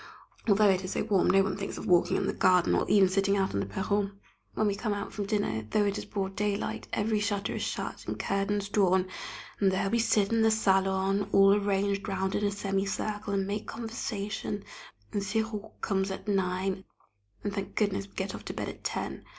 Although it is so warm no one thinks of walking in the garden, or even sitting out on the perron. When we come out from dinner, though it is broad daylight, every shutter is shut and curtains drawn, and there we sit in the salon, all arranged round in a semi circle, and make conversation, and sirop comes at nine, and, thank goodness, we get off to bed at ten!